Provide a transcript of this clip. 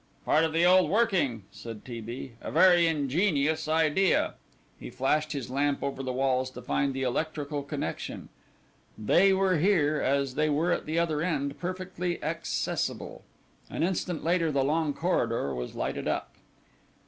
"Part of the old working," said T. B.; "a very ingenious idea." He flashed his lamp over the walls to find the electrical connection. They were here, as they were at the other end, perfectly accessible. An instant later the long corridor was lighted up.